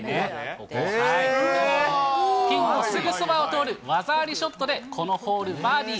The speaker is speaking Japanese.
ここ、ピンのすぐそばを通る技ありショットで、このホール、バーディー。